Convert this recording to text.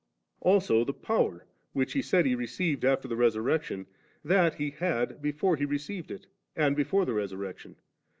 40. Also the power which He said He received after the resurrection, that He had before He received it, and before the resurrec tion.